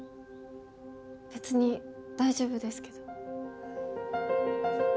別に大丈夫ですけど。